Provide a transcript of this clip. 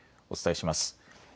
お伝えします。